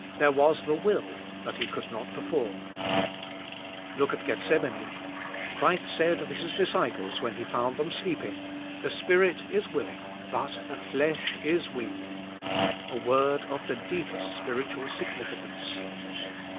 There was the will, but he could not perform. Look at Geth semane. Christ said of His disciples when He f outi d them sleeping, "The spirit is willing, but the flesh is weak." A word of the deepest spiritual sig nificance.